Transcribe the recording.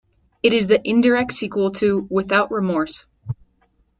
It is the indirect sequel to "Without Remorse".